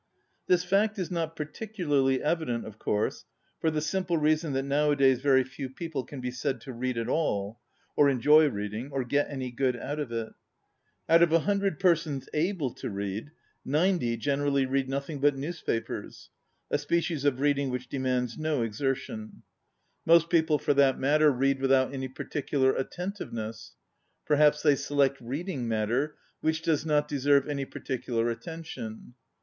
This fact is not particularly evi dent, of course, for the simple reason that nowadays very few people can be said to read at all, or enjoy read ing, or get any good out of it. Out of a himdred persons able to read, ninety generally read nothing but newspapers, ŌĆö a species of reading which demands no exertion. Most 4 ON READING people, for that matter, read without any particular attentiveness. Per haps they select reading matter which does not deserve any particular at tention.